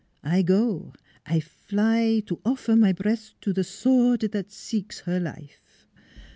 I go, I fly to offer my breast to the sword that seeks her life